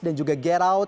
dan juga get out